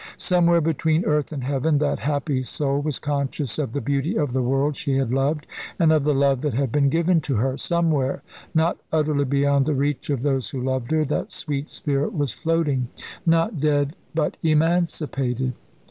Somewhere between earth and heaven that happy soul was conscious of the beauty of the world she had loved, and of the love that had been given to her somewhere, not utterly beyond the reach of those who loved her, that sweet spirit was floating not dead, but emancipated.